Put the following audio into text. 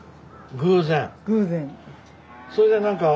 偶然。